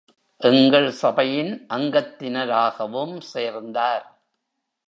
எங்கள் சபையின் அங்கத்தினராகவும் சேர்ந்தார்.